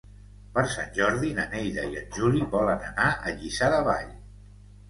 Per Sant Jordi na Neida i en Juli volen anar a Lliçà de Vall.